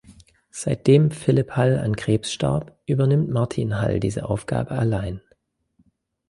Seitdem Philip Hall an Krebs starb, übernimmt Martin Hall diese Aufgabe allein.